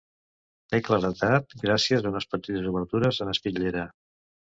Té claredat gràcies a unes petites obertures en espitllera.